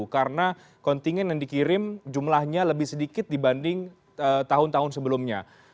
karena kontingen yang dikirim jumlahnya lebih sedikit dibanding tahun tahun sebelumnya